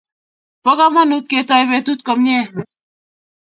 po komonut ketoi petut komie